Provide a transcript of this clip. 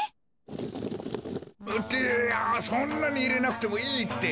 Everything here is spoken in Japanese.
ってあそんなにいれなくてもいいって。